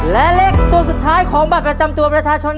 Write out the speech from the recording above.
และเลขตัวสุดท้ายของบัตรประจำตัวประชาชน